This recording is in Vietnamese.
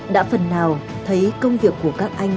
đã phần nào thấy công việc của các anh